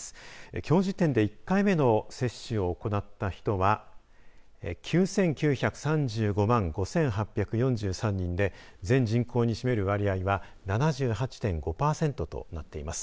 きょう時点で１回目の接種を行った人は９９３５万５８４３人で全人口に占める割合は７８．５パーセントとなっています。